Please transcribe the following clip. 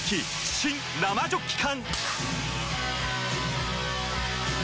新・生ジョッキ缶！